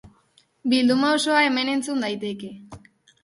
Bilduma osoa hemen entzun daiteke.